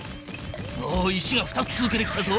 おお石が２つ続けて来たぞ。